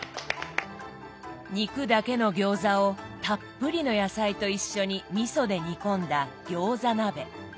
肉だけの餃子をたっぷりの野菜と一緒にみそで煮込んだ餃子鍋。